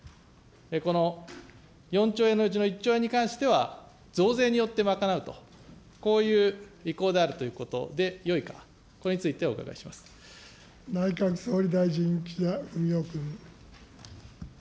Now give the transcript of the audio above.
この４兆円のうちの１兆円に関しては、増税によって賄うと、こういう意向であるということでよい内閣総理大臣、岸田文雄君。